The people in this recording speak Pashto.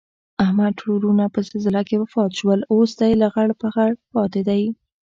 احمد ټول ورڼه په زلزله کې وفات شول. اوس دی لغړ پغړ پاتې دی